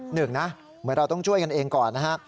หนึ่งนะเหมือนเราต้องช่วยกันเองก่อนนะฮะ